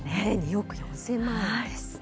２億４０００万円です。